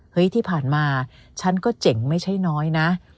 ที่ผ่านมาฉันก็เจ๋งไม่ใช่น้อยนะ